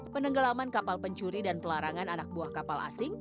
penenggelaman kapal pencuri dan pelarangan anak buah kapal asing